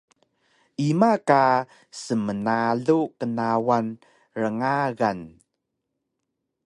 Ima ka smnalu qnawal rngagan?